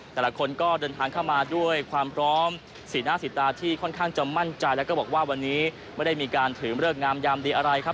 แต่ละคนก็เดินทางเข้ามาด้วยความพร้อมสีหน้าสีตาที่ค่อนข้างจะมั่นใจแล้วก็บอกว่าวันนี้ไม่ได้มีการถือเลิกงามยามดีอะไรครับ